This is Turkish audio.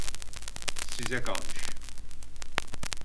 Size kalmış.